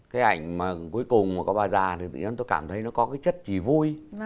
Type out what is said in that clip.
cái ảnh mà cuối cùng mà có bà già thì tôi cảm thấy nó có cái chất trí vui